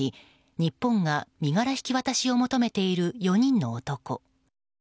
日本が身柄引き渡しを求めている４人の男。